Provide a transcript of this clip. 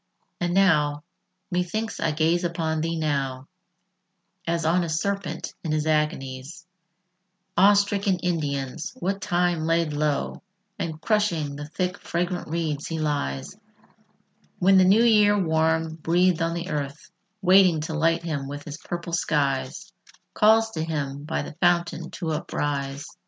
III And now methinks I gaze upon thee now, As on a serpent in his agonies Awestricken Indians; what time laid low And crushing the thick fragrant reeds he lies, When the new year warm breathèd on the earth, Waiting to light him with his purple skies, Calls to him by the fountain to uprise.